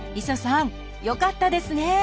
磯さんよかったですね！